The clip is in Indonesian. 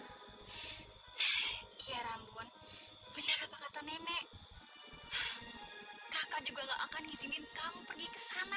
jangan ya rampun bener apa kata nenek kakak juga gak akan izinkan kamu pergi ke sana